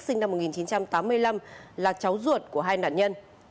sinh năm một nghìn chín trăm tám mươi năm là cháu ruột của hai nạn nhân